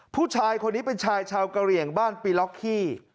ผู้ชายคนนี้เป็นชายชาวกะเหลี่ยงบ้านปีล็อกขี้